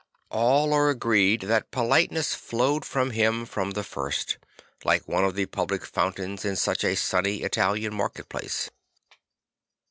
All are agreed that politeness flowed from him from the first, like one of the public fountains in such a sunny Italian market place.